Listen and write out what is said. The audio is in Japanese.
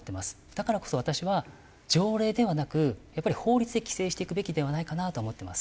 だからこそ私は条例ではなく法律で規制していくべきではないかなと思っています。